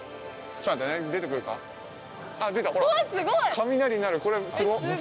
雷になるこれすごっ。